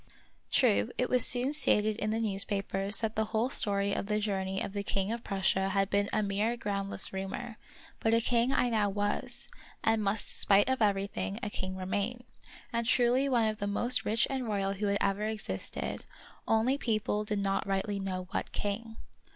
True, it was soon stated in the newspapers that the whole story of the journey of the king of Prussia had been a mere groundless rumor; but a king I now was, and must spite of everything a king remain, and truly one of the most rich and royal who had ever existed; only people did not rightly know what king.